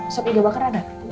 sop hidobaker ada